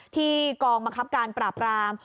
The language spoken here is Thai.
ที่กองมักครับการปราบราม